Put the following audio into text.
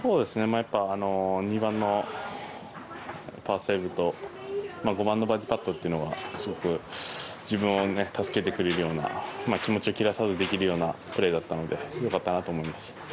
２番のパーセーブと５番のバーディーパットはすごく自分を助けてくれるような気持ちを切らさずできるようなプレーだったので良かったなと思います。